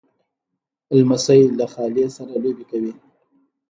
لمسی له خالې سره لوبې کوي.